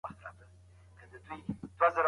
او ساقي به له ملا سره ديره شي